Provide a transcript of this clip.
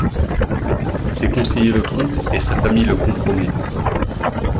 Ses conseillers le trompent et sa famille le compromet.